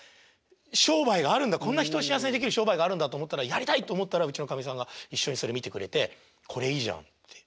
こんな人を幸せにできる商売があるんだと思ったらやりたいと思ったらうちのかみさんが一緒にそれ見てくれて「これいいじゃん」って。